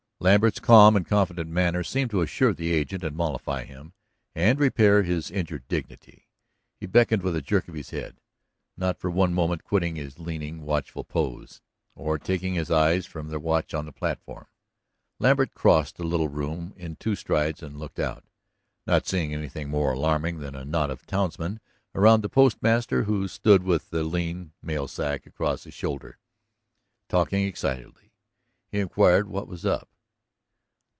Lambert's calm and confident manner seemed to assure the agent, and mollify him, and repair his injured dignity. He beckoned with a jerk of his head, not for one moment quitting his leaning, watchful pose, or taking his eyes from their watch on the platform. Lambert crossed the little room in two strides and looked out. Not seeing anything more alarming than a knot of townsmen around the postmaster, who stood with the lean mail sack across his shoulder, talking excitedly, he inquired what was up.